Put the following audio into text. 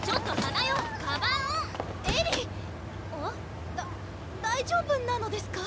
だ大丈夫なのですか？